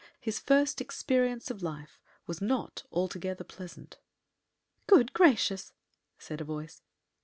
His first experience of life was not altogether pleasant. "Good gracious!" said a voice.